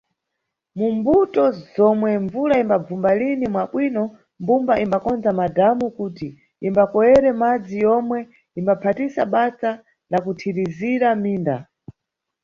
Mu mbuto zomwe mbvula imbagwa lini mwabwino, mbumba imbakonza madhamu kuti imbakoyere madzi yomwe imbaphatisa basa la kuthirizira mʼminda.